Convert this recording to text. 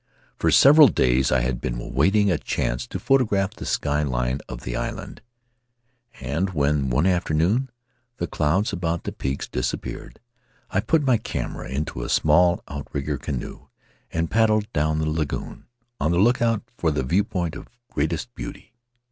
For several days I had been awaiting a chance to photograph the sky line of the island, and when, one afternoon, the clouds about the peaks dis persed, I put my camera into a small outrigger canoe and paddled down the lagoon, on the lookout for the viewpoint of greatest beauty.